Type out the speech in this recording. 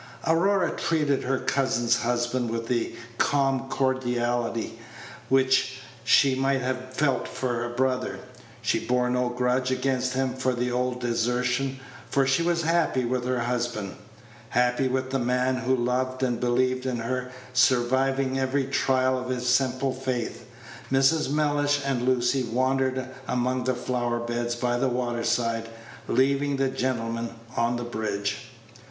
Aurora treated her cousin's husband with the calm cordiality which she might have felt for a brother. She bore no grudge against him for the old desertion, for she was happy with her husband happy with the man who loved and believed in her, surviving every trial of his simple faith. Mrs. Mellish and Lucy wandered among the flower beds by the waterside, leaving the gentlemen on the bridge.